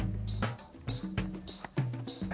nah ini dia